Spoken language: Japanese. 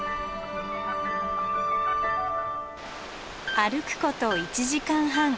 歩くこと１時間半。